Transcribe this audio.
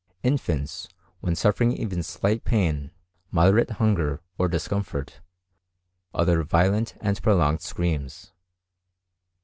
Infants, when suffering even slight pain, moderate hunger, or discomfort, utter violent and prolonged screams.